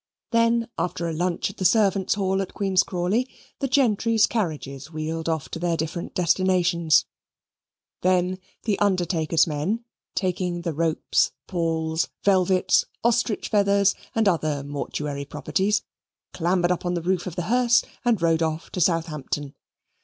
Then, after a lunch in the servants' hall at Queen's Crawley, the gentry's carriages wheeled off to their different destinations: then the undertaker's men, taking the ropes, palls, velvets, ostrich feathers, and other mortuary properties, clambered up on the roof of the hearse and rode off to Southampton.